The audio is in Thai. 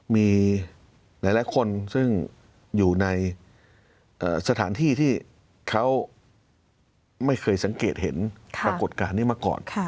มีหลายคนซึ่งอยู่ในสถานที่ที่เขาไม่เคยสังเกตเห็นปรากฏการณ์นี้มาก่อน